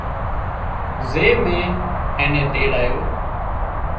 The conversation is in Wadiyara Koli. زي مين اين نين تيڙايو